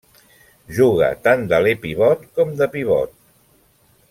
Juga tant d'aler-pivot com de pivot.